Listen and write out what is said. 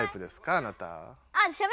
あなた。